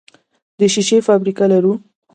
د شیشې فابریکه لرو؟